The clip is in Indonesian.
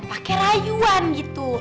pakai rayuan gitu